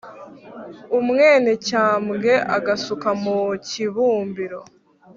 umwénecyambwe agasuka mu kibúmbiro